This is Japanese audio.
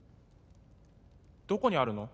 どこにあるの？